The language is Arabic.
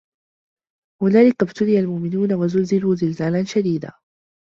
هُنالِكَ ابتُلِيَ المُؤمِنونَ وَزُلزِلوا زِلزالًا شَديدًا